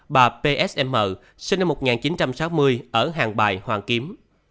một bà p s m sinh năm một nghìn chín trăm sáu mươi ở hàng bài hoàng kiếm